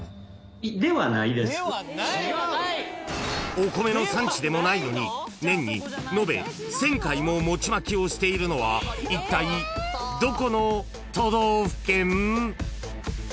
［お米の産地でもないのに年に延べ１，０００回も餅まきをしているのはいったいどこの都道府県？］